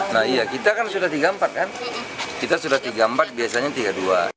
nah iya kita kan sudah tiga empat kan kita sudah tiga empat biasanya tiga dua